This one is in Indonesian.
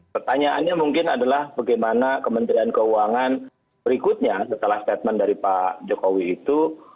pertanyaannya mungkin adalah bagaimana kementerian keuangan berikutnya setelah statement dari pak jokowi itu